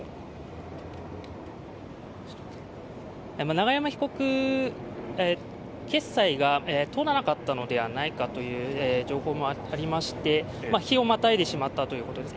永山被告、決裁が通らなかったのではないかという情報もありまして日をまたいでしまったということです。